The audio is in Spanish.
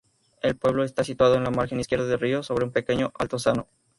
El pueblo está situado en la margen izquierda del río, sobre un pequeño altozano.